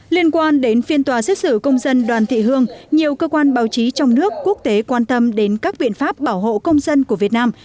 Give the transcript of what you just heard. liên quan đến phiên tòa xét xử công dân đoàn thị hương nhiều cơ quan báo chí trong nước quốc tế quan tâm đến các biện pháp bảo hộ công dân của việt nam